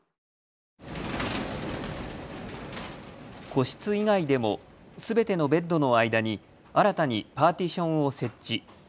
個室以外でも、すべてのベッドの間に新たにパーティションを設置。